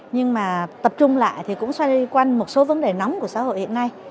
nhưng mà tập trung lại thì cũng xoay quanh một số vấn đề nóng của xã hội hiện nay